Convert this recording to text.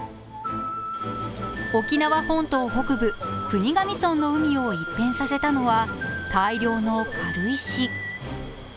沖縄本島北部、国頭村の海を一変させたのは、大量の軽石。